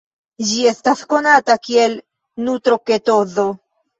Ĝi estas konata kiel nutroketozo.